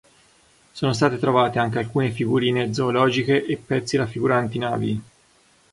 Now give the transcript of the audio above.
Sono state trovate anche alcune figurine zoologiche e pezzi raffiguranti navi.